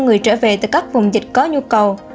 người trở về từ các vùng dịch có nhu cầu